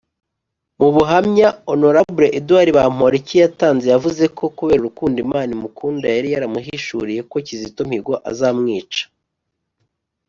Mu buhamya Hon Eduard Bamporiki yatanze yavuze ko kubera urukundo Imana imukunda yari yaramuhishuriye ko Kizito Mihigo azamwica